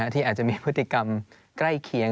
ที่อาจจะมีพฤติกรรมใกล้เคียง